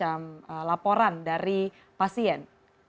apakah semacam laporan dari pasien